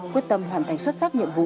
quyết tâm hoàn thành xuất sắc nhiệm vụ